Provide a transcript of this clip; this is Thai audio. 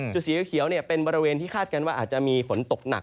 สีเขียวเป็นบริเวณที่คาดการณ์ว่าอาจจะมีฝนตกหนัก